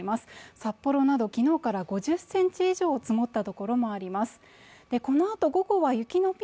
札幌などきのうから５０センチ以上積もった所もあります